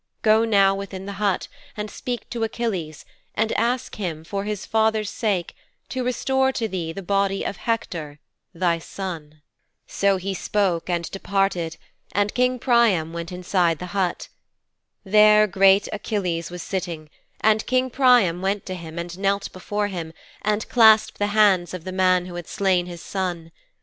Go now within the hut and speak to Achilles and ask him, for his father's sake, to restore to thee the body of Hector, thy son."' 'So he spoke and departed and King Priam went within the hut. There great Achilles was sitting and King Priam went to him and knelt before him and clasped the hands of the man who had slain his son.